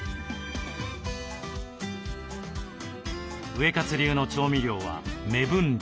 ウエカツ流の調味料は目分量。